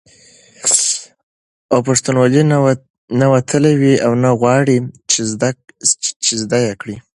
او پښتنوالي نه وتلي وي او نه غواړي، چې زده یې کړي